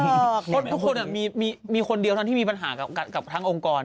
ทุกคนมีคนเดียวที่มีปัญหากับทั้งองค์กร